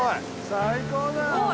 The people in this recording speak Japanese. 最高だよ！